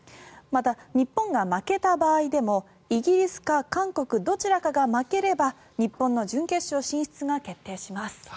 また、日本が負けた場合でもイギリスか韓国どちらかが負ければ日本の準決勝進出が決定します。